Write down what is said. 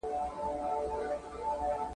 که امریکا ده که انګلستان دی ..